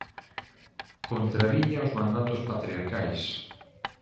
Contraviña os mandatos patriarcais.